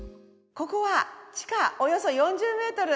ここは地下およそ４０メートル。